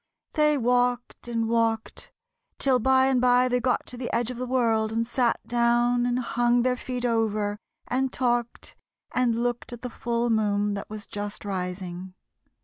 They walked and walked, till by and by they got to the edge of the world and sat down and hung their feet over and talked and looked at the full moon that was just rising.